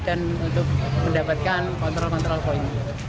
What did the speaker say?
dan untuk mendapatkan kontrol kontrol poin